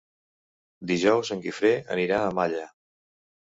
Dijous en Guifré anirà a Malla.